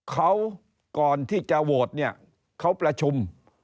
เขาก่อนที่จะโหวตเนี่ยเขาประชุม